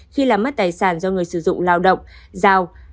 khi làm mất tài sản do người sử dụng lao động giao